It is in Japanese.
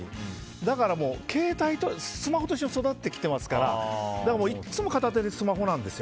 だからスマホと一緒に育ってきてますからいつも片手にスマホなんですよ。